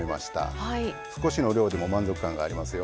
少しの量でも満足感がありますよ。